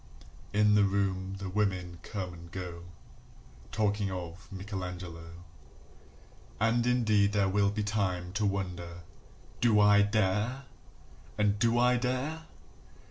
In the room the women come and go Talking of Michelangelo. And indeed there will be time To wonder, "Do I dare?" and, "Do I dare?"